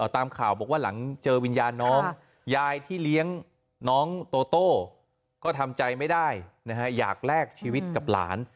ตามข่าวบอกว่าหลังเจอวิญญาณน้องยายที่เลี้ยงน้องโตโต้ก็ทำใจไม่ได้อยากแลกชีวิตกับหลาน